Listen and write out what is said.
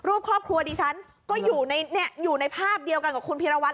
ครอบครัวดิฉันก็อยู่ในภาพเดียวกันกับคุณพีรวัฒ